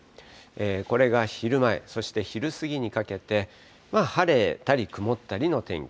これが昼前、そして昼過ぎにかけて、晴れたり曇ったりの天気。